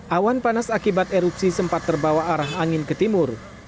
awan panas akibat erupsi sempat terbawa arah angin ke timur